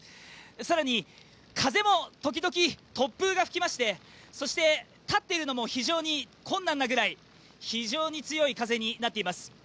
更に風もときどき突風が吹きましてそして、立ってるのも非常に困難なぐらい非常に強い風になっています。